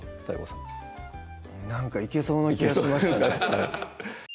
ＤＡＩＧＯさんなんかいけそうな気がしましたね